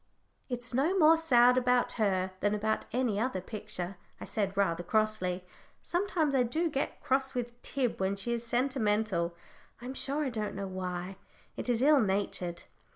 "It's no more sad about her than about any other picture," I said, rather crossly. Sometimes I do get cross with Tib when she is sentimental. I'm sure I don't know why it is ill natured.